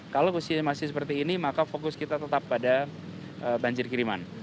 kalau posisi masih seperti ini maka fokus kita tetap pada banjir kiriman